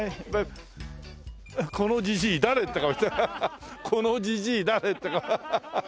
「このじじい誰？」って顔して「このじじい誰？」って顔ハハ！